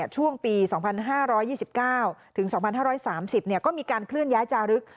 ช่วงปี๒๕๒๙ถึง๒๕๓๐ก็มีการเคลื่อนย้ายจารึก